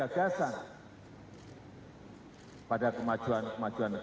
tapi kita juga harus sadar bahwa perubahan perubahan sekarang ini sudah masuk